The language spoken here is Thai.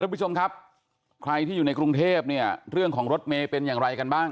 คุณผู้ชมครับใครที่อยู่ในกรุงเทพเนี่ยเรื่องของรถเมย์เป็นอย่างไรกันบ้าง